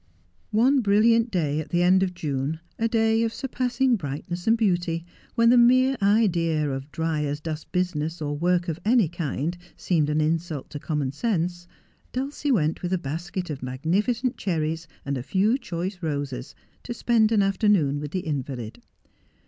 One brilliant day at the end of June, a day of surpassing brightness and beauty, when the mere idea of dry as dust business or work of any kind seemed an insult to common sense, Dulcie went with a basket of magnificent cherries, and a few choice roses, to spend an afternoon with the invalid.